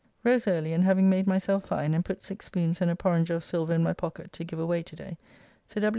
Rose early and having made myself fine, and put six spoons and a porringer of silver in my pocket to give away to day, Sir W.